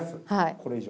これ以上？